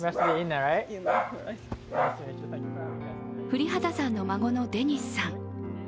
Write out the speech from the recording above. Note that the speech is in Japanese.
降籏さんの孫のデニスさん。